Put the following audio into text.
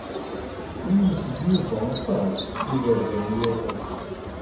Yules-d Yuba aṭas iberdan i wawal.